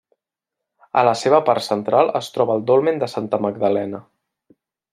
A la seva part central es troba el Dolmen de Santa Magdalena.